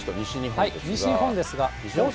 西日本ですが。